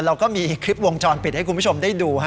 เราก็มีคลิปวงจรปิดให้คุณผู้ชมได้ดู